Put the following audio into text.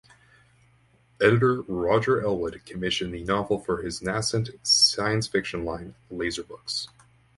Editor Roger Elwood commissioned the novel for his nascent science-fiction line Laser Books.